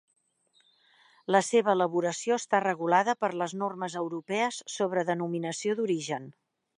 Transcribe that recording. La seva elaboració està regulada per les normes europees sobre denominació d'origen.